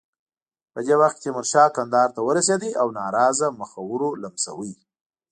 په دې وخت کې تیمورشاه کندهار ته ورسېد او ناراضه مخورو لمساوه.